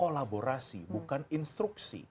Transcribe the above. kolaborasi bukan instruksi